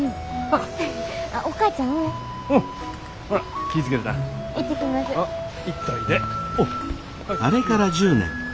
あれから１０年。